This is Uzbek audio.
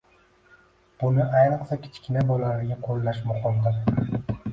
Buni ayniqsa kichkina bolalarga qo‘llash muhimdir.